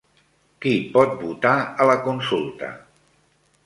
Qui pot votar a la consulta?